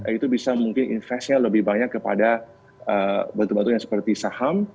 itu bisa mungkin investasi lebih banyak kepada bentuk bentuk yang seperti saham